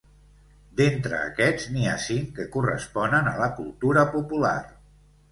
D'entre aquests, n'hi ha cinc que corresponen a la cultura popular.